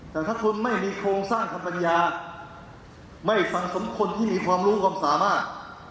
แต่ถ้าคุณไม่มีโครงสร้างคำปัญญาไม่ฟังสมคนที่มีความรู้ความสามารถ